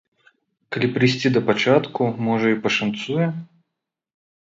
Калі прыйсці да пачатку, можа і пашанцуе?